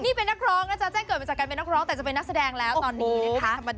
นี่เป็นนักร้องนะจ๊แจ้งเกิดมาจากการเป็นนักร้องแต่จะเป็นนักแสดงแล้วตอนนี้นะคะ